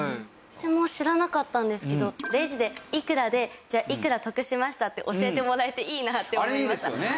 私も知らなかったんですけどレジで「いくらでじゃあいくら得しました」って教えてもらえていいなって思いました。